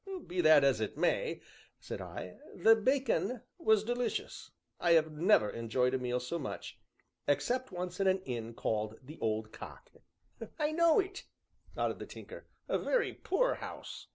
"Be that as it may," said I, "the bacon was delicious. I have never enjoyed a meal so much except once at an inn called 'The Old Cock.'" "I know it," nodded the Tinker; "a very poor house."